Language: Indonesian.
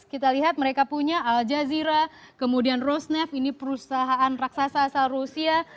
kita lihat mereka punya al jazeera kemudian rosnev ini perusahaan raksasa asal rusia